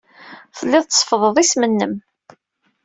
Telliḍ tseffḍeḍ isem-nnem.